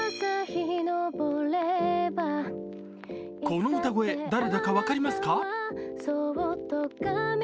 この歌声、誰だか分かりますか？